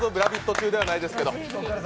中ではないですけど。